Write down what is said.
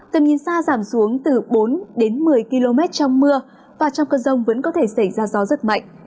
tầm nhìn xa giảm xuống từ bốn đến một mươi km trong mưa và trong cơn rông vẫn có thể xảy ra gió rất mạnh